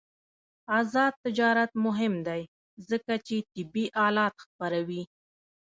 آزاد تجارت مهم دی ځکه چې طبي آلات خپروي.